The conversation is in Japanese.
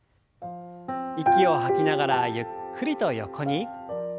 息を吐きながらゆっくりと横に。